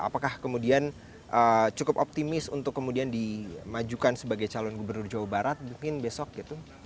apakah kemudian cukup optimis untuk kemudian dimajukan sebagai calon gubernur jawa barat mungkin besok gitu